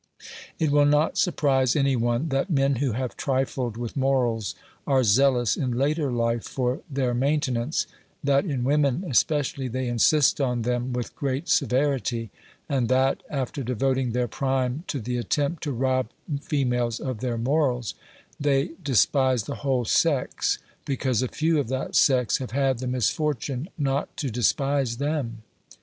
It will not surprise any one, that men who have trifled with morals are zealous in later life for their maintenance , 214 OBERMANN that in women especially they insist on them with great severity, and that after devoting their prime to the attempt to rob females of their morals, they despise the whole sex because a few of that sex have had the misfortune not to despise them.